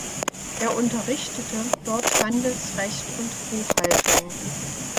Er unterrichtete dort Handelsrecht und Buchhaltung.